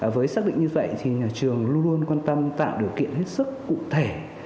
với xác định như vậy thì nhà trường luôn luôn quan tâm tạo điều kiện hết sức cụ thể